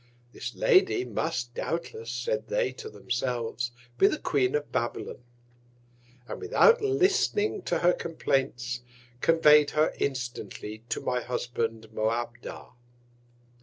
This Lady must, doubtless, said they to themselves, be the Queen of Babylon: And without listning to her Complaints, convey'd her instantly to my Husband Moabdar.